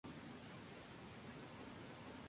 Los caribes usaban las flechas envenenadas con el látex.